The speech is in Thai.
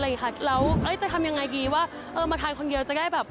แล้วจะทำอย่างไรดีว่ามาทานคนเดียวจะได้บิ๊ยัว